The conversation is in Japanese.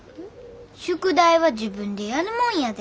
宿題は自分でやるもんやで。